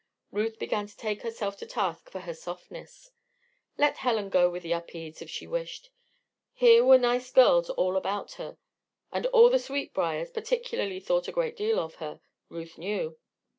Ruth began to take herself to task for her "softness." Let Helen go with the Upedes if she wished. Here were nice girls all about her, and all the Sweetbriars particularly thought a great deal of her, Ruth knew.